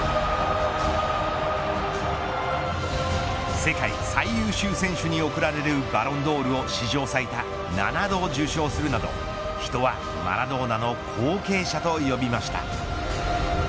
世界最優秀選手に贈られるバロンドールを史上最多、７度受賞するなど人はマラドーナの後継者と呼びました。